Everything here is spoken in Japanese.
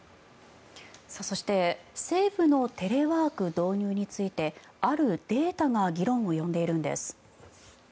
そして政府のテレワーク導入についてあるデータが議論を呼んでいるんです。